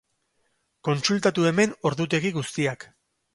Kontsultatu hemen ordutegi guztiak.